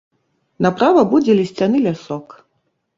Направа будзе лісцяны лясок.